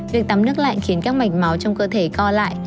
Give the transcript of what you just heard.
việc tắm nước lạnh khiến các mạch máu trong cơ thể co lại